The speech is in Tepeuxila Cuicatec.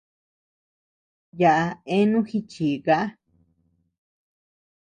Yaʼa eanu jichikaa.